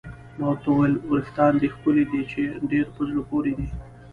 ما ورته وویل: وریښتان دې ښکلي دي، چې ډېر په زړه پورې دي.